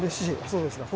そうですか。